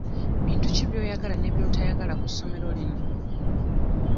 Bintu ki by'oyagala ne by'otayagala ku ssomero lino?